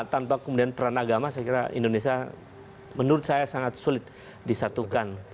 tanpa kemudian peran agama saya kira indonesia menurut saya sangat sulit disatukan